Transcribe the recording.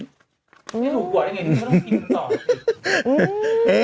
ไม่ถูกกว่าได้ไงนึกว่าเขาต้องกินคำตอบ